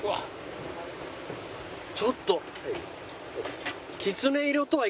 ちょっと。